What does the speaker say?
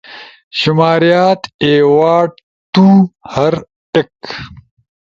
شماریات، ایوارڈ، تُو، ہر ایک